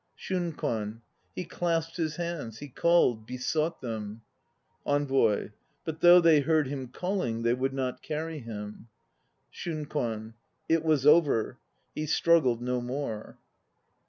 SHUNKWAN. He clasped his hands. He called, besought them ENVOY. But though they heard him calling, they would not carry him. SHUNKWAN. It was over; he struggled no more.